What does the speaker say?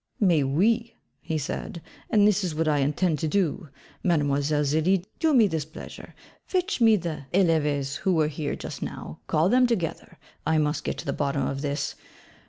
'Mais oui,' he said, 'and this is what I intend to do; Mlle. Zélie, do me this pleasure: fetch me the élèves who were here just now: call them together. I must get to the bottom of this.